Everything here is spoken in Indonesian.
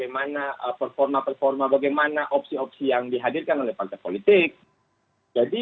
kalo ada satu mereka yang balik anak itu orang ada di bagian baris itu orang kamu tidak